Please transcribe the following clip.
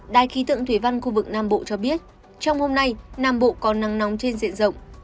đài khí tượng thủy văn khu vực nam bộ cho biết trong hôm nay nam bộ có nắng nóng trên diện rộng